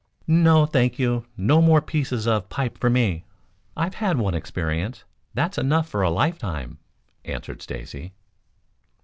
"No, thank you. No more pieces of pipe for mine. I've had one experience. That's enough for a life time," answered Stacy.